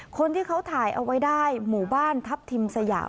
คนที่เขาถ่ายเอาไว้ได้หมู่บ้านทัพทิมสยาม